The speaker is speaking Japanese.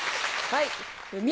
はい。